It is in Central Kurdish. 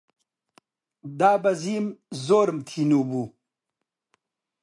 دابەزیم، زۆرم تینوو بوو